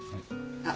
あっ。